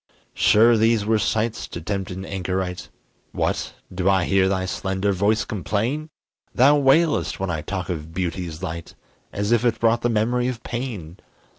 Sure these were sights to tempt an anchorite! What! do I hear thy slender voice complain? Thou wailest when I talk of beauty's light, As if it brought the memory of pain.